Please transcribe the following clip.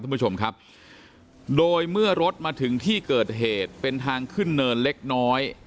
ท่านผู้ชมครับโดยเมื่อรถมาถึงที่เกิดเหตุเป็นทางขึ้นเนินเล็กน้อย